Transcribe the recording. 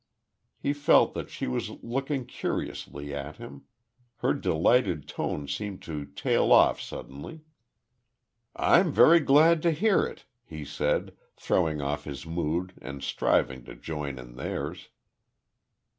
He felt that she was looking curiously at him. Her delighted tone seemed to tail off suddenly. "I'm very glad to hear it," he said, throwing off his mood and striving to join in theirs.